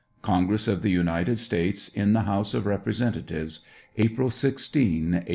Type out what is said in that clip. Congress of the United States, In the House of Representatives, April 16, 1866.